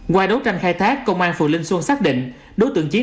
qua đấu tranh khai thác công an phường linh xuân xác định đối tượng chiến